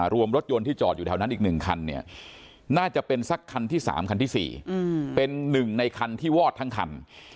รวมรถยนต์ที่จอดอยู่แถวนั้นอีก๑คันเนี่ยน่าจะเป็นสักคันที่๓คันที่๔เป็น๑ในคันที่วอดทั้งคัน